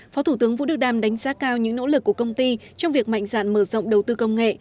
phó thủ tướng vũ đức đam đánh giá cao những nỗ lực của công ty trong việc mạnh dạn mở rộng đầu tư công nghệ